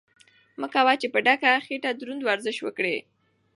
مه کوه چې په ډکه خېټه دروند ورزش وکړې.